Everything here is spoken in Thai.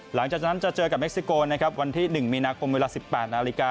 หลังจากนั้นจะเจอกับเม็กซิโกวันที่๑มีนาคมเวลา๑๘น